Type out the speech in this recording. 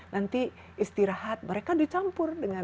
nanti istirahat mereka dicampur dengan